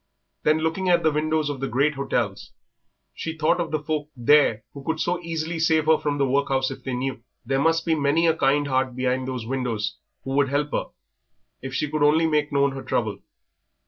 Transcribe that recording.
Then looking at the windows of the great hotels, she thought of the folk there who could so easily save her from the workhouse if they knew. There must be many a kind heart behind those windows who would help her if she could only make known her trouble.